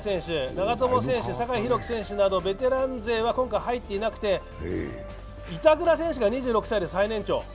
長友選手、酒井宏樹選手などベテラン勢は今回入っていなくて板倉選手が２６歳で最年長。